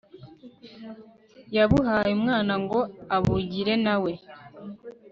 yabuhaye Umwana ngo abugire na we